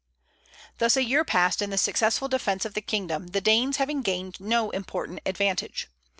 Thus a year passed in the successful defence of the kingdom, the Danes having gained no important advantage.